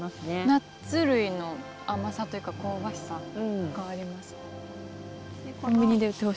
ナッツ類の甘さというか香ばしさがあります。